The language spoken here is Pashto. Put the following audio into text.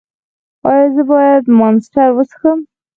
ایا زه باید مانسټر وڅښم؟